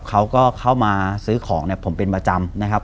เขาก็เข้ามาซื้อของเนี่ยผมเป็นประจำนะครับ